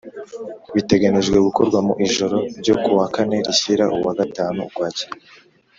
biteganijwe gukorwa mu ijoro ryo ku wa kane rishyira uwa gatanu ukwakira